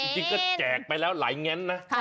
จริงก็แจกไปแล้วหลายแง้นนะ